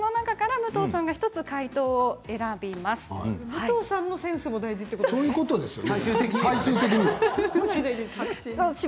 武藤さんのセンスも大事ということですね。